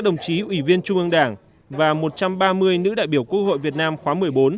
nữ đại biểu quốc hội việt nam khóa một mươi bốn